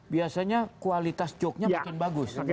biasanya kualitas joke nya makin bagus